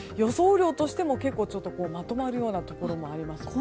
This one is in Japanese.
雨量としても結構まとまるようなところもありますので。